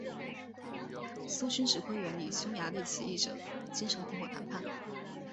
苏军指挥员与匈牙利起义者经常停火谈判。